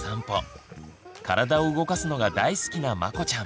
体を動かすのが大好きなまこちゃん。